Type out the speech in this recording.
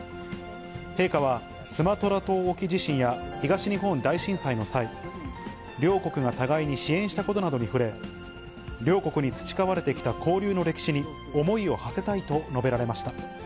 陛下は、スマトラ島沖地震や東日本大震災の際、両国が互いに支援したことなどに触れ、両国に培われてきた交流の歴史に思いをはせたいと述べられました。